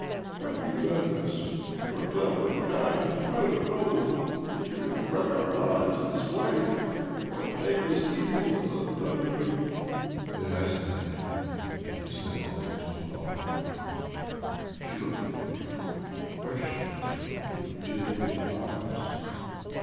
Why have you done this? You are cleVer and kind and good and noble; yet you can wreck our lives in , this way 1 What nameless evil has undone i you?" ;" It has a name," he said almost inaudibly. She looked at him questioningly with tear filled eyes.